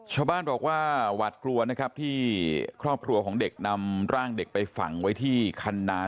ชาวบ้านบอกว่าหวาดกลัวนะครับที่ครอบครัวของเด็กนำร่างเด็กไปฝังไว้ที่คันนา